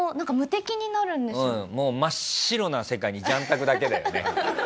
もう真っ白な世界に雀卓だけだよね。